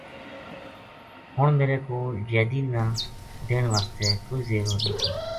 ہن میرے کول جیدی نا دین واسطے کوئی زیور نیہہ تھو